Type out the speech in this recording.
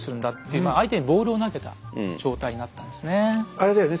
あれだよね